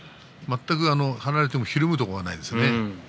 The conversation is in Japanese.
張られても全くひるむところがないですよね。